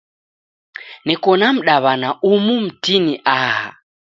Neko na mdaw'ana umu mtini aha.